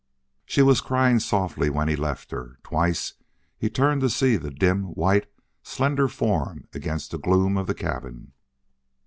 She was crying softly when he left her. Twice he turned to see the dim, white, slender form against the gloom of the cabin.